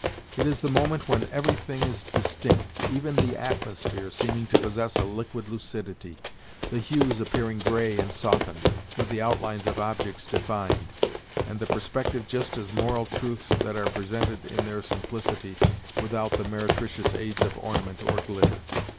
It is the moment when every thing is distinct, even the atmosphere seeming to possess a liquid lucidity, the hues appearing gray and softened, with the outlines of objects defined, and the perspective just as moral truths that are presented in their simplicity, without the meretricious aids of ornament or glitter.